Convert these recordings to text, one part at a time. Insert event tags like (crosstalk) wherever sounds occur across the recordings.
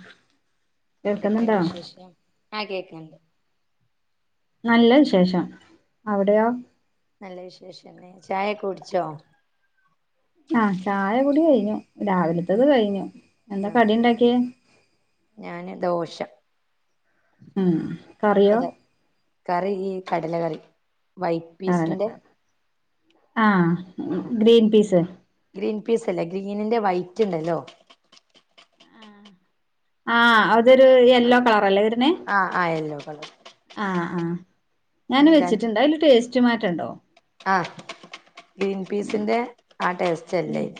(inaudible) കേൾക്കുന്നുണ്ടോ എതൊക്കെണ്ട് വിശേഷം ആഹ് കേക്ക്ണ്ട് നല്ല വിശേഷം അവിടെയോ നല്ല വിശേഷന്നെ ചായക്കെ കുടിച്ചോ ആഹ് ചായകുടി കഴിഞ്ഞു രാവിലത്തേത് കഴിഞ്ഞു എന്താ ആ കടിണ്ടാക്കിയേ ഞാന് ദോശ ഉം കറിയോ അതെ കറി ഈ കടല കറി വൈറ്റ് പീസിന്റെ കടലക്കറി ആഹ് ഗ്രീൻ പീസ് ഗ്രീൻ പീസ് അല്ല ഗ്രീനിൻ്റെ വൈറ്റ് ണ്ടല്ലോ ആഹ് അതൊരു യെല്ലോ കളർ അല്ലേ വര്ന് ആഹ് അഹ് യെല്ലോ കളറ് ആഹ് ആഹ് ഞാനും വെച്ചിട്ടുണ്ട് അയ്ല് ടേസ്റ്റ് മാറ്റണ്ടോ ആഹ് ഗ്രീൻ പീസിന്റെ ആഹ് ടേസ്റ്റ് ഉം അല്ലയ്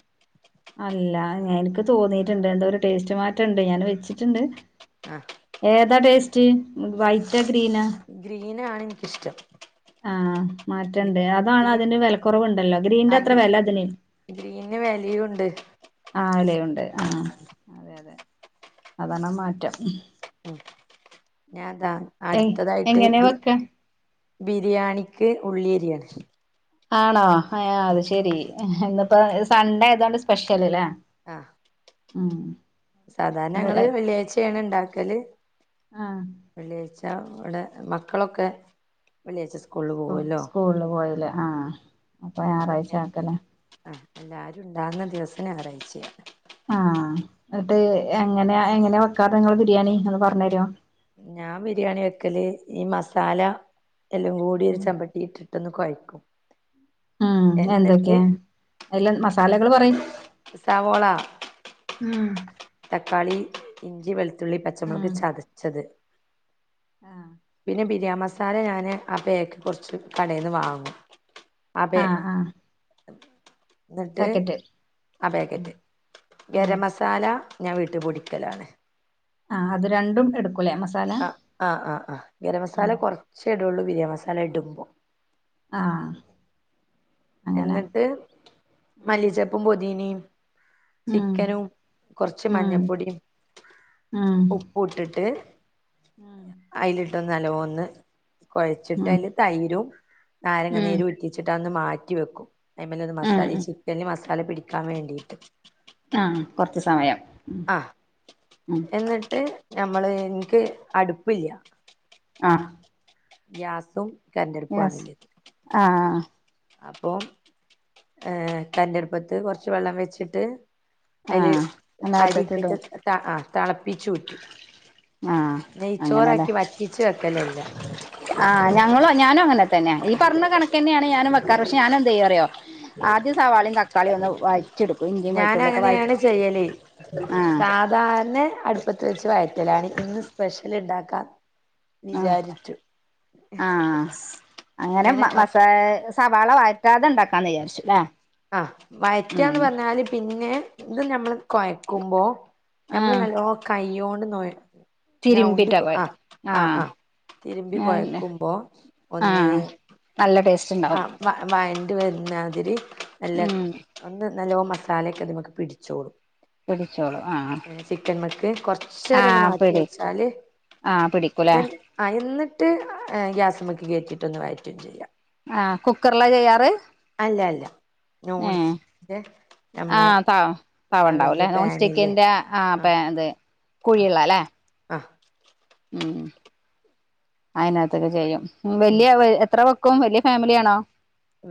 അല്ല എനിക്ക് തോന്നീയിട്ടുണ്ട് എന്താ ഒരു ടേസ്റ്റ് മാറ്റംണ്ട് ഞാൻ വെച്ചിട്ടുണ്ട് ആഹ് ഏതാ ടേസ്റ്റ് വൈറ്റാ ക്രീനാ ഗ്രീനാണ് എനിക്കിഷ്ടം ആഹ് മാറ്റണ്ട് അതാണ് ഗ്രീൻ അതിന്റെ വിലക്കുറവുണ്ടല്ലോ ആ ഗ്രീൻന്റെ അത്ര വില അതി ഗ്രീന് വലിയും ഉണ്ട് ആലയുണ്ട് ആഹ് അതെ അതെ അതണ മാറ്റം ഉം ഞാൻതാ എ അടുത്തതായിട്ട് എങ്ങനെ വെക്ക ബിരിയാണിക്ക് ഉള്ളിരിയാണ് ആണോ ആഹ് അത് ശെരി ഇന്നപ്പോ സൺഡേ ഏതോണ്ട് സ്പെഷ്യൽ അല്ലേ ആഹ് ഉം. സാധാരണ അത് ഞങ്ങള് വെള്ളിയാഴ്ചയാണ് ഇണ്ടാക്കല്. ആഹ് വെള്ളിയാഴ്ച്ച ഇവടെ മക്കളൊക്കെ വെള്ളിയാഴ്ച്ച സ്കൂളില് പോകല്ലോ സ്കൂള്‌ല് പോയല്ലേ ആഹ് അപ്പൊ അപ്പൊഴും ഞായറാഴ്ച എഹ് ആക്കല്ലേ ആഹ് എല്ലാരും ണ് ണ്ടാവുന്ന ദിവസം ഞായറാഴ്ചയാ. ആഹ് എന്നിട്ട് എങ്ങനാ എങ്ങനെയ വെക്കാറ് നിങ്ങള് ബിരിയാണി ഒന്ന് പറഞ്ഞഞ് തരുമോ ഞാൻ ബിരിയാണി വെക്കല് ഈ മസാല എല്ലാം കൂടി ഒരു ഉം ചമ്പട്ടിട്ടി (unintelligible) ഉം എന്തൊക്കെയാ അയ്‌ല് മസാലകൾ പറയിം. സാവോള. തക്കാളി ഇഞ്ചി വെളുത്തുള്ളി പച്ചമുളക് ചതച്ചത്. ആഹ് പിന്നെ ബിരിയാമസാല ഞാന് ആഹ് പേക്ക് കെറച്ച് കടൽന്ന് വാങ്ങും. അമ്പേ ആഹ് ആഹ് ന്നിട്ട് പാക്കറ്റ് ആഹ് പേക്കറ്റ് ഉം ഗരം മസാല ഞാൻ വീട്ട് പൊടിക്കലാണ്. ആഹ് അത് രണ്ടും എടുക്കും കുലെമസാല. ആഹ് ആഹ് ആഹ് ആഹ് ഗരം മസാല കുറച്ചെഇടള്ളൂ ബിരിയാ മസാല ഇടുപോ. ആഹ് അങ്ങനെ എന്നിട്ട് ഉം മല്ലിച്ചപ്പും പൊതിനീ ചിക്കനും കുറച്ച് ഉം മഞ്ഞപ്പൊടി ഉപ്പ് ഇട്ടിട്ട്. ആഹ് അയ്‌ല്ട്ടൊന്ന് നല്ല പോന്ന് കുഴച്ചിട്ട് ഉം അയ്ല് തൈരും ഉം നാരങ്ങനീരും ഇ ത്തിച്ചിട്ട് അന്ന് മാറ്റി വെക്കും അതിമല മസാല ഈ ഉം ചിക്കനില് മസാല പിടിക്കാൻ വേണ്ടിട്ട്. ആഹ് കൊറച്ച് സമയം ഉം ആഹ് ഉം എന്നിട്ട് നമ്മള് എനിക്ക് അടുപ്പില്ല. ആഹ് ഗ്യാസും കരണ്ടടുപ്പും യെസ് ആണില്ലത്. ആഹ് അപ്പം ഏഹ് കരണ്ടടുപ്പത്ത് കുറച്ച് വെള്ളം വെച്ചിട്ട്. അയ്ല് ആഹ് അരി അതിനകത്തേക്ക് ഇട്ടിട്ട് ഇടും ആഹ് ത അഹ് തളപ്പിച്ചൂറ്റും. ആഹ് അങ്ങനെല്ലേ നെയ്ച്ചോറാക്കി വറ്റിച്ച് വെക്കലല്ല. ആഹ് ഞങ്ങളും ഞാനും അങ്ങനെ തന്നെയാ ഈ പറഞ്ഞ കണക്ക തന്നെയാണ് ഞാനും വെക്കാറ് പക്ഷെ ഞാന ന്തെയ്യറിയോ ആദ്യം സവാളയും തക്കാളിയും ഒന്ന് വായി ചെടുക്കും ഇഞ്ചിം ഞാൻ വെളുത്തുള്ളിയൊക്കെ വഴ ആഹ് സാരണേ അടുപ്പത്ത് വെച്ച് വയറ്റലാണ് ഇന്ന് സ്പെഷ്യൽ ഇണ്ടാക്കാ. അഹ് ആഹ് അങ്ങനെ ഇങ്ങനെ മ മസാ സവാള വയറ്റാതെ ഇണ്ടാക്കാന്ന് വിചാരിച്ചുല്ലേ ആഹ വയറ്റാന്ന് പറഞ്ഞാല് പിന്നെ ഇത് നമ്മള് കുഴക്കുമ്പോ നഞമ്മള് ആഹ് നല്ലോ കയ്യോണ്ട് നോയി ഞവുണ്ടി തിരുമ്പിട്ടാ കൊഴ ആ ആഹ് ആഹ തിരുമ്പി ഞാൻ കുഴക്കുമ്പോ ഒന്ന് ആഹ് നല്ല ടേസ്റ്റ് ആ ഉണ്ടാവും വയന്റ് വരുണാതിരി നല്ല ഉം ഒന്ന് നല്ലോ മസാലയക്കെ ത്മക്ക് പിടിച്ചോളും പിടിച്ചോളൂ ആഹ് ചിക്കൻ മക്ക് കൊറച്ചര് ന്ന് മാറ്റി വെച്ചാല്. ആഹ പിടിക്കൂലേ? ആ എന്നിട്ട് എഗ്യാസമക്ക് കയറ്റിയിട്ട ഒന്ന് വയറ്റും ചെയ്യാം. ആഹ കുക്കർല്ല ചെയ്യാറ്? അല്ല അല്ല ഏ നോൺസ്റ്റിക്കിന്റെ ആ നമ്മളെ ത ആഹ് തവണ്ടാവുംല്ലേ വല്യ നോൺ പാനില്ലേ സ്റ്റിക്കിന്റെ ആ അപ്പ ആഹ് ഇത് ആഹ് കുഴിയ്ള്ളല്ലേ? ആഹ് ഉം അയിനകത്തൊക്കെ ചെയ്യും ഉം വല്ല്യാ വെ എത്ര ക്കും വല്ല്യ ഫാമിലിയാണോ?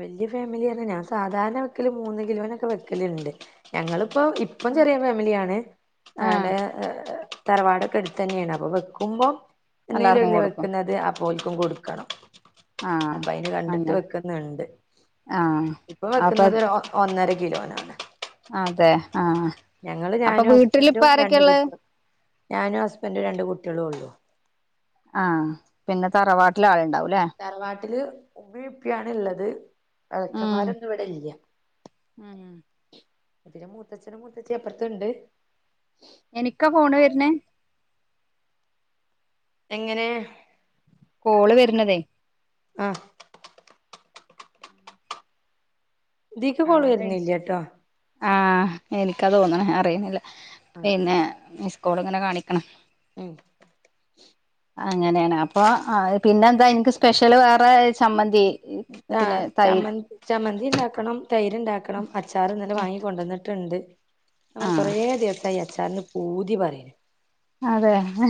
വല്ല്യ ഫാമിലി പർഞ്ഞാ ഞാൻ സാധാരണ വെക്കല് മൂന്ന് കിലോനൊക്കെ വെക്കല്ണ്ട്. ഞങ്ങള് പ്പോ ഇപ്പം ചെറിയ ഫാമിലിയാണ് ആഹ് ആടെ. തറവാടൊക്കെ എട്ത്തെന്നെണ് അപ്പൊ വെക്കുമ്പോ. എന്നേലും എല്ലാർക്കും ഇല കൊടുക്കും വെക്കുന്നത് അപ്പൊ ഓൽക്കു കൊടുക്കണം ആഹ് അപ്പൊ അയി കണ്ടിട്ട് അങ്ങനെ വെക്ക ആഹ് ഇപ്പൊ അപ്പൊ വെക്കുന്നത് ഒ ഒന്നര കിലോനാണ്. അതെ ആഹ് ഞങ്ങള് അപ്പൊ ഞാനും വീട്ടിലിപ്പ ഹസ്ബൻഡും രണ്ട് ആരൊക്കെയള്ളത് കുട്ട്യേളും ഞാനും ഹസ്ബൻഡും രണ്ട് കുട്ട്യേളും ഒള്ളു. ആഹ് പിന്നെ തറവാട്ടിലാളുണ്ടാവും ലേ? തറവാട്ടില് മ്മി ഉപ്പിയാണ് ള്ളത് എളച്ചന്മാരൊന്നും ഇവ്ടെ ല്ല്യ. മ്മ് മൂത്തച്ഛനും മൂത്തച്ചിം അപ്പർത്ത്ണ്ട്. എനിക്കാ ഫോണ് വര്നേ? എങ്ങനെ? കോള് വര്ന്നതേ. ആഹ് ദീക്ക് കോള് കാണാൻ കഴി വര്നില്യട്ടോ. ആഹ് എനിക്കാ തോന്നണ അറിയുന്നില്ല പിന്നെ മിസ്സ്കോള് ങ്ങനെ കാണിക്ക്ണ്. ഉം അങ്ങനെയാണ് അപ്പൊ പിന്നെന്താ ഇൻക്ക് സ്പെഷ്യല് വേറെ ചമ്മന്തി. ആ പിന്നെ തൈര് ചമ്മന്തി ചമ്മന്തി ണ്ടാക്കണം തൈര് ണ്ടാക്കണം അച്ചാ ച്ചാർ ന്നലെ വാങ്ങിക്കൊണ്ടന്ന്ട്ട്ണ്ട് ഞാൻ ആഹ് കൊറേ ദിവസയി അച്ചാറിന് പൂതി പറിണ്. അതെ ഹെ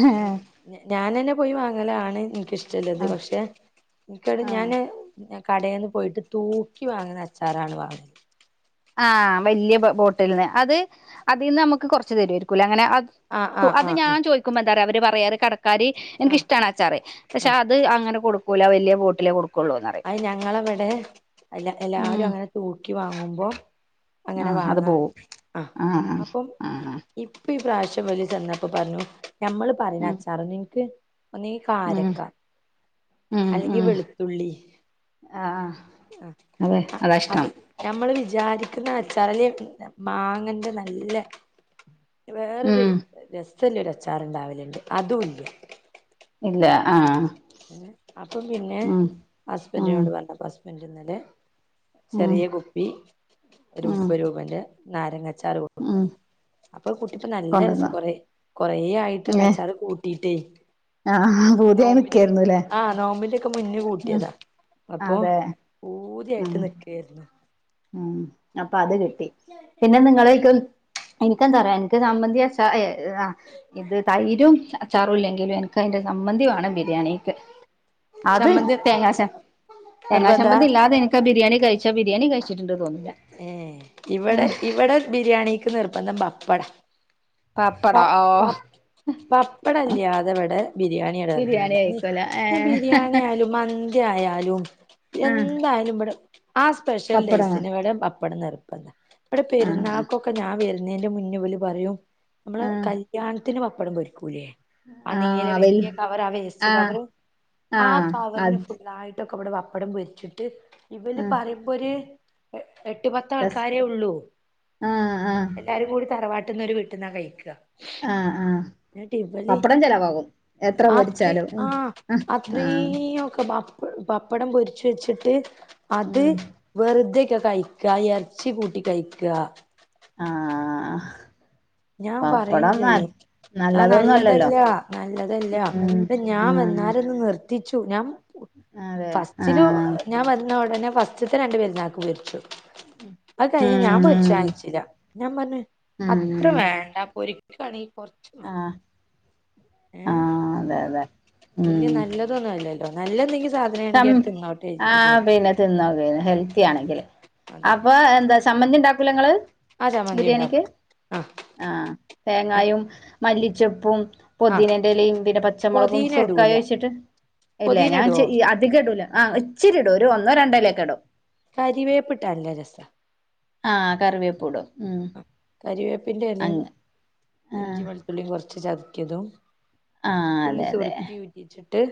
ഞാനന്നെ പോയി വാങ്ങലാണ് ഇൻക്കിഷ്ടള്ളത് പക്ഷെ ഇന്ക് ആഹ് ഞാന്. ഞാൻ കടേന്ന് പോയിട്ട് തൂക്കി വാങ്ങുന്ന അച്ചാറാണ് വാങ്ങ ആഹ് വല്ല്യ ബോട്ടിൽ ന്ന് അത് അതിന്ന് അമ്മക്ക് കൊർച് തരുയിരിക്കുലെ അങ്ങനെ ആഹ് അത്‌ ആഹ് അത് ആഹ് ഞാൻ ചോദിക്കുമ്പോ എന്താറ അവര് പറയാറ് കടക്കാര് എൻ ആഹ് ക്ക് ആഹ് ഇഷ്ടാണ അച്ചാർ. പക്ഷെ ആഹ് അത് അങ്ങനെ കൊടുക്കൂല വല്ല്യ ബോട്ടിലേ കൊട് ക്കൊള്ളൂന്ന് പറിം. ഞങ്ങളവടെ എല്ല എല്ലാരും ഉം അങ്ങനെ തൂക്കി വാങ്ങുമ്പോ. അങ്ങനെ ആഹ് അത് വാങ്ങാ പോവും ആഹ് അപ്പം. ആഹ് ആഹ് ഇപ്പി പ്രാവശ്യം വല് ചെന്നപ്പോ പറഞ്ഞു ഞമ്മള് പറയണ ഉം അച്ചാർ നിക്ക് ഒന്നി ഉം കാരക്ക ഉം അല്ലെങ്കിൽ ഉം വെളുത്തുള്ളി. ആഹ്. അതെ ആ അതാ അത്. ഇഷ്ടം ഞമ്മള് വിചാരിക്ക്ന്ന അച്ചാറല്ലെ മാങ്ങന്റെ നല്ല. വേറൊരു ഉം രസല്ലൊരു അച്ചാറുണ്ടാവലുണ്ട് അതുംല്ല. ഇല്ല ആഹ് അപ്പം പിന്നെ ഉം ഉം ഹസ്ബന്റിനോട് പറഞ്ഞപ്പ ഹസ്ബന്റ് ഇന്നലെ ഉം ചെറിയ കുപ്പി ഒരു ഉം മുപ്പത് രൂപേന്റെ നാരങ്ങച്ചാറ് കൊണ്ട് ഉം അപ്പൊ കുട്ടീപ്പം നല്ല രസ കൊണ്ടുവന്നോ കൊറെ കൊറേ ആയിട്ട്ണ്ട് ഏഹ് അച്ചാറ് കൂട്ടിട്ടേ ആഹ് പൂതിയായി നോമ്പില് നിക്കേര്ന്നുലേ ആഹ് നോമ്പി ന്റെ ഒക്കെ മുന്ന കൂട്ടിയതാ അപ്പൊ അതെ പൂതിയായിട്ട് ഉം നിക്കേര്ന്നു. ഉം അപ്പൊ അത് കിട്ടി പിന്നെ നിങ്ങളെനിക് എനിക്കെന്താ അറിയാ എനിക്ക് ചമ്മന്തി അരച് ആഹ് ഇത് തൈരും അച്ചാറും ഇല്ലെങ്കിലും എനക്ക് അയിന്റെ ചമ്മന്തി വാണം ബിരിയാണിക്ക് അത് ചമ്മന്തി തേങ്ങ ച നിർബന്ധാ തേങ്ങാചമ്മന്തി ഇല്ലാതെ എനിക്ക ബിരിയാണി കഴിച്ചാ ബിരിയാണി കഴിച്ചിട്ടുണ്ട് തോന്നൂല ഏഹ് ഇവടെ ഇവടെ ബിരിയാണിക്ക് നിർബന്ധം പപ്പട പ പപ്പടം ഓ പ പപ്പടില്യാതെ ഇവടെ ബിരിയാണി ബിരിയാണിടെറങ്ങൂല കഴിക്കൂല ഈ ഏഹ് ബിരിയാണിയായാലും മന്തിയായാലും ആഹ് എന്തായാലും ഇവടെ ആ സ്പെഷ്യൽ പപ്പടമാ ഡേസിനിവടെ പപ്പടം നിർബന്ധാ ഇവടെ ആഹ് പെരുന്നാൾക്കൊക്കെ ഞാൻ വരുന്നേന്റെ മുന്നിവളുപറയും നമ്മള് ആഹ് കല്യാണത്തിന് പപ്പടം പൊരിക്കൂലേ ആഹ് നീലെ വെല്യാ കവറ് ആ ആഹ് വേസ്റ്റ്കവറ് ആഹ് കവറിന് ഫുള്ളായിട്ട് തൊക്കെ ഇവിടെ പപ്പടം പൊരിച്ചിട്ട് ഇവല് ആഹ് പറയുമ്പോര് എട്ട് രസം പത്താൾക്കാരേ ഒള്ളൂ ആഹ് ആഹ് എല്ലാരും കൂടി തറവാട്ടിന്നൊരു വീ ഇവുടുന്നാകൈക്ക ആഹ് ആഹ് എന്നിട്ടിവല് പപ്പടം ചെലവാകും എത്ര ആത്രി പൊരിച്ചാലും ആഹ് ആ ആ ആത്രീയൊക്കെ പപ്പടം പൊരിച്ചിവെച്ചിട്ട് അത് ഉം വെറുതെക്കെ കയി ക്ക വിചാരിച്ചി കൂട്ടി കയ്ക്കാ ആഹ് ആഹ് ഞാൻ പറയും ചെയ്യും ആഹ് നല്ലതൊന്നും അല്ലല്ലോ നല്ലതല്ലാ നല്ലതല്ലാ ഉം ഏഹ് ഞാൻ ഉം വന്നാലൊന്നും നിർ ത്തിച്ചു ഞാൻ അതെ ആ ഫസ്റ്റിലു ഞാൻ വരുന്ന ഒടനെ ഫസ്റ്റത്തെ രണ്ടു പെരുന്നാക്ക് പൊരിച്ചു അത് കഴിഞ്ഞ് ഞാൻ പൊരിച്ച് ഉം കാണിച്ചില്ലാ ഞാൻ പറഞ്ഞേ അത്ര വേണ്ടാ പൊരിക്കുയാണെ കൊറച് ആഹ് ആഹ് അതെ അതെ വല്യാ ഉം നല്ലതൊന്നു അല്ലല്ലോ നല്ലെന്നെങ്കി സാ സം ആഹ് പിന്നെ തിന്നോക്കയില്ലേ ഹെൽത്തിയാണെങ്കില് അതന്നെ അപ്പൊ എന്താ ചമ്മന്തി ഇണ്ടാക്കൂലങ്ങള് ആ ചമ്മന്തി ബിരിയാണിക്ക് ഉണ്ടാക്കും ആ ആഹ് തേങ്ങായും മല്ലിച്ചെപ്പും ആ പൊദീനേടെലയും പിന്നെ പച്ചമുളകും പൊതീന സുറുക്കായും ഇടൂല ഒഴിച്ചിട്ട് ഇല്ലേ പൊതീന ഞാൻ ഇടുവോ ച്ചിരിയാ അധികേടൂലാ ആഹ് ഇച്ചിരിടും ഒരു ഒന്നോ രണ്ടോലയൊക്കെ ഇടും കരിവേപ്പിട്ട ല്ലെരസ ആഹ് കറിവേപ്പൂടും ഉം കരിവേപ്പിന്റെ എലയും അങ്ങ് ഇഞ്ചി ആഹ് വെളുത്തുള്ളിയും കൊറച്ച് ചതക്കിയതും ആഹ് തുള്ളി അതെ അതെ സുർക്കേം ഉറ്റിച്ചിട്ട്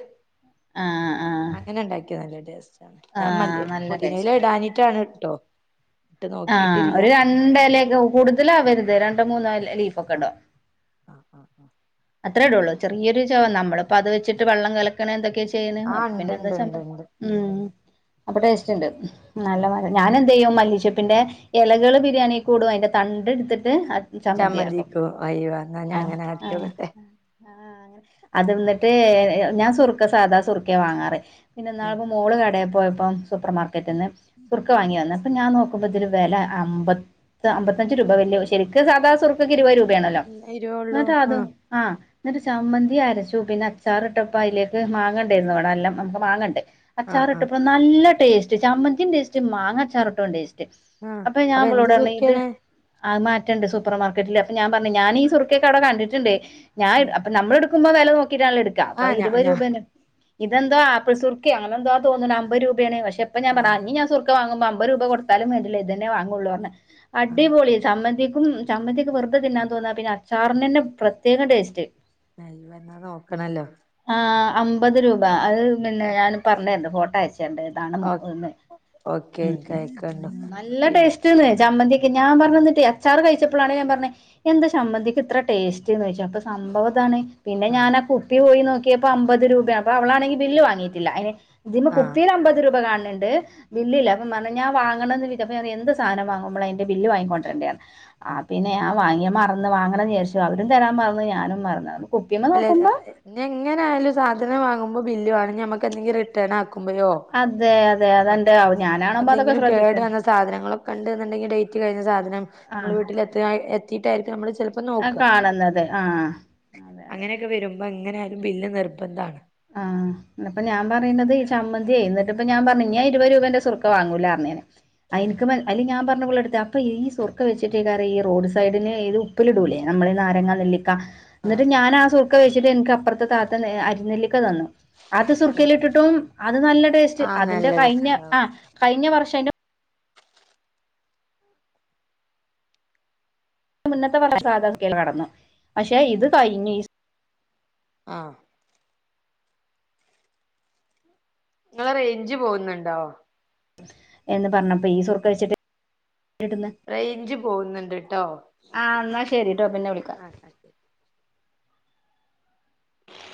ആഹ് ആഹ് അങ്ങനെ ഇണ്ടാക്കിയാ നല്ല ടേസ്റ്റാണ് ഞാൻ ആഹ് മല്ലി നല്ല പൊതിനയില ടേസ്റ്റാ ഇടാൻ അനിറ്റാണുട്ടോ ആഹ് ഒരു രണ്ടലയക്കെ കൂടുതലാവരുത് രണ്ടോ മൂന്നോ എല ലീഫൊക്കെടാം ആഹ് ആഹ് ആഹ് അത്രേ ഇടൊള്ളൂ ചെറിയൊരു ചൊവാ നമ്മളിപ്പോ അത് വെച്ചിട്ട് വെള്ളം കലക്കണേ എന്തൊക്കെചെയ്യണെന്ന് ആ ഉണ്ട് അപ്പൊപ്പിന്നെന്താ ഉണ്ട് ഉണ്ട് ചമ്മ ഉണ്ട് ഉം അപ്പ ടേസ്റ്റൊണ്ട് നല്ല മഴ ഞാനെന്തെയ്യും മല്ലിച്ചെപ്പിന്റെ എലകള് ബിരിയാണി കൂടും അയിന്റെ തണ്ട് എടുത്തിട്ട് ചമ്മന്തി അരക്കും ചമ്മന്തിക്കും അയ്യോ എന്നാ ആഹ് ഞാങ്ങനെ ആഹ് ആക്കിയോക്കട്ടെ ആഹ് അങ്ങനെ അതെന്നിട്ട് ഞാൻ സുറുക്കാ സാധാ സുറുക്കെയാ വാങ്ങാറ് പിന്നെ ഇന്നാള് മോള് കടേ പോയപ്പം സൂപ്പർ മാർക്കറ്റിന്ന് സുർക്ക് വാങ്ങി വന്ന് അപ്പൊ ഞാൻ നോ മുപ്പതിലുവെല അമ്പത്ത് അമ്പത്തഞ്ച് രൂപ വല്ല്യത് ശെരിക്ക് സാധാ സുറുക്കൊക്കെ ഇര് വഅ് രൂ വേണോല്ലോ പിന്നെ ഇരുവേ ഉള്ളൂ ആ ന്ന്ട്ടാതും ആഹ് ന്നിട്ട് ചമ്മന്തി അരച്ചു പിന്നെ അച്ചാറിട്ടപ്പോ അയിലേക്ക് മാങ്ങണ്ടേന്നുവ്ടെ നല്ലം നമ് മാങ്ങണ്ട് ആ ആ അച്ചാറിട്ടപ്പോ നല്ല ടേസ്റ്റ് ചമ്മന്തിം ടേസ്റ്റ് മാങ്ങ അച്ചാർട്ട ഉം ടേസ്റ്റ് ആ അപ്പ ഞാൻ അപ്പൊ എന്ത് വ്ളോടർഞ്ഞ് ഇത് സുർക്കയാണ് അത് മാറ്റണ്ട് സൂപ്പർ മാർക്കറ്റില് അപ്പ ഞാൻ പറഞ്ഞ് ഞാനീ സുറുക്കെക്കെ അവടെ കണ്ടിട്ടിണ്ട് ഞായ് അപ്പോ നമ്മള്ട് ക്കുമ്പ വെല നോക്കിട്ടാൺല്ലോ എട്ക്കാ ആ അപ്പൊ ഞാ ഇരുവഅ് ഞാൻ രൂപന്നേ ഇതെന്തോ ആപ്പിൾ സുർക്കെ അങ്ങനന്തോ തോന്ന്ണ് അമ്പഅ് രൂപേണ് പക്ഷെപ്പഞാൻ പറ ആഹ് ഇഞ്ഞിഞ്ഞാസുർ ക്കവാങ്ങുമ്പോ അമ്പത് രൂപ കൊടുത്താലും വേണ്ടില്ല ഇതന്നെ വാങ്ങൊള്ളൂർണ് ആഹ് അടിപൊളി സമ്മന്തിക്കും ചമ്മന്ത്യക്കെ വെർതെ തിന്നാതോന്നാ പിന്നെ അച്ചാർനന്നെ പ്രത്യേകം ടേസ്റ്റ് നൈ വന്നാ നോക്ണല്ലോ ആഹ് അമ്പത് രൂപ അത് പിന്നെ ഞാന് പർഞ്ഞേര്ണ്ട് ഫോട്ടോ അയച്ച ഓ ഓക്കെ എനിക്ക് (unintelligible) അയക്കണ്ടു നല്ല പിന്നെ ടേസ്റ്റ് സ്റ്റ് ചമ്മന്തിക്ക് ഞാൻ പറഞ് നിട്ടെയ് അച്ചാർ കഴിച്ചപ്പളാണ് ഞാപർഞ്ഞ എന്താ ഷമ്മന്തിക്ക് ഇത്ര ടേ ജ് നോയ്ച്ചു അപ്പ സംഭവതാണ് പിന്നെ ആഹ് ഞാനാ പു പ്യൂ പോയി നോക്കിയപ്പോ അമ്പത് രൂപയാ അപ്പോ അവളാണെങ്കി ബില്ല് വാങ്ങിറ്റില്ല അയ്ന് ഇതിമ്മെ ആഹ് കുപ്പീല് അമ്പത് രൂപ കാൺണ് ണ്ട് ബില്ലില്ല അപ്പോം പർഞ്ഞ് ഞാ വാങ്ങണന്ന് വിജാ അപ്പൊ എന്ത് സാനം വാങ്ങുമ്പളേ അയ്ന്റെ ബില്ല് വാങ്ങിക്കൊണ്ട്രൻ്റെർ ആഹ് പിന്നെ ഞാവാങ്ങിയ മറന്ന് വാങ്ങണംന്നിയാര്ച്ചു അവരും തരാൻ മറന്ന് ഞാനും മറന്നു അല്ലെല്ല ഞിഎങ്ങന ആയാലും സാധനം വാങ്ങുമ്പോ ബില്ല് വേണം ഇനി ഞമക്ക് എന്തെങ്കിലൊര് റ്റേനാക്കുമ്പയോ അതെ അതെ അതെന്റെ ഞാനാണുമ്പോ അതൊക്കെ എന്തെങ്കിലും കേട് ശ്രദ്ധിക്കും വന്ന സാധനങ്ങളും കണ്ട്ന്ന്ണ്ടെങ്കി ഡൈറ്റ് കഴിഞ്ഞ സാധനം ആ മ്മള് വീട്ടിലെത്തിയായി എത്തീട്ടായിരിക്കമ്മളചെൽപ്പം നോ ആഹ് കാണ്ന്നത് ആഹ് അങ്ങനെക്കെ വരുമ്പോങ്ങനെയാലും ബില്ല് നിർബന്ധാണ് ആഹ് ഇന്ന്പ്പഞാമ്പറിന്നത് ഈ ചമ്മന്തി ന്ന്ട്ട്പ്പഞാമ്പർഞു ഞ്യഇരുവത് രൂപേന്റെ സുർക്കാ വാങ്ങൂലാർഞ്ഞു ആഹ് അയിൻക്ക് മൻ അയില് ഞാൻ പർഞ്ഞു ഇവളെട്ത്ത് അപ്പോ ഈ സുറുക്ക വെച്ചിട്ടെയ്കാരം ഈ റോഡ് സൈഡിന് ഇത് ഉപ്പിലിടുലേ നമ്മളേ നാരങ്ങ നെല്ലി ല്ല ആഹ് ന്നിട്ട് ആഹ് ഞാനാസുർക്ക വെച്ചിട്ട് എൻക്ക് അപ്പുർത്തൊത്ത നേ അരിനെല്ലിക്ക തന്നു അത് ആഹ് സുർക്കേലിട്ട് ട്ടും അത് നല്ല ടേസ്റ്റ് ആഹ് നല്ല അതിന്റെ കഴിഞ്ഞ രസണ്ടാവും ആഹ് കഴിഞ്ഞ വർഷ മുന്നത്തെ വർഷം സാധ കേൾ നടന്നു പക്ഷെ ഇത് കഴിഞ്ഞ് ആഹ് ങ്ങളെ റൈഞ്ച് പോഉന്ന്ണ്ടോ എന്ന് പറഞ്ഞപ്പോ ഈ സുർക്ക കഴിച്ചിട്ട് എടുന്നെ റേഞ്ച് പോകുന്നുണ്ട് ട്ടോ ആഹ് ന്നാ ശരിട്ടോ പിന്നെ വിളിക്ക ആഹ്